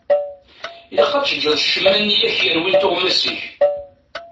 Ilaq ad teǧǧeḍ ccemma-nni i ak-yerwin tuɣmas-ik.